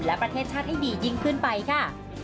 และประเทศชาติให้ดียิ่งขึ้นไปค่ะ